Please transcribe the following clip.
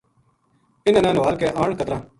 اِنھاں نا نُہال کے آن کترَاں